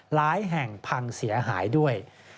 หลายแห่งพังเสียหายด้วย